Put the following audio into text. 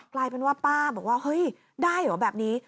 กลายเป็นว่าป้าบอกว่าเฮ้ยได้เหรอแบบนี้